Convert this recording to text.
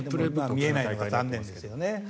見れないのが残念ですけどね。